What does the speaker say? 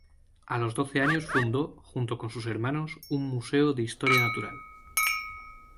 A los doce años fundó, junto con sus hermanos, un museo de historia natural.